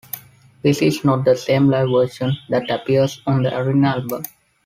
This is not the same live version that appears on the "Arena" album.